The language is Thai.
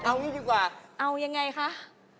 คือว่าหนูไปวิ่งมา